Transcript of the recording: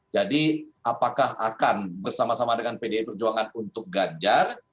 apakah akan bersama sama dengan pdi perjuangan untuk ganjar